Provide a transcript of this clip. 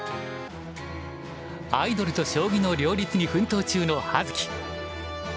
アイドルと将棋の両立に奮闘中の葉月。